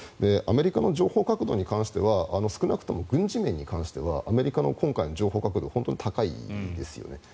アメリカの情報確度に関しては少なくとも軍事面に関してはアメリカの今回の情報確度は本当に高いですよね。